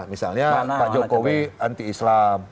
misalnya pak jokowi anti islam